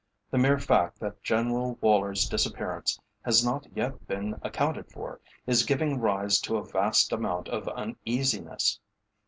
The mere fact that General Woller's disappearance has not yet been accounted for is giving rise to a vast amount of uneasiness.